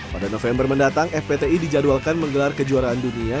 pada november mendatang fpti dijadwalkan menggelar kejuaraan dunia